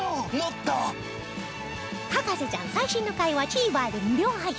『博士ちゃん』最新の回は ＴＶｅｒ で無料配信